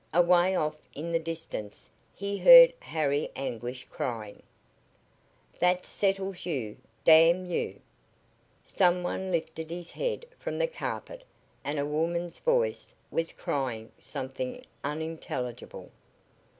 Away off in the distance he heard Harry Anguish crying: "That settles you, damn you!" Some one lifted his head from the carpet and a woman's voice was crying something unintelligible.